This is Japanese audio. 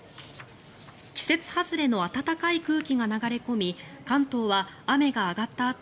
季節外れの暖かい空気が流れ込み関東は雨が上がった